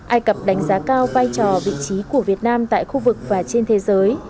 ai cập đánh giá cao vai trò vị trí của việt nam tại khu vực và trên thế giới